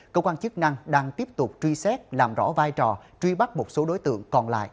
cơ quan chức năng đang tiếp tục truy xét làm rõ vai trò truy bắt một số đối tượng còn lại